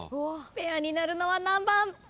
ペアになるのは何番？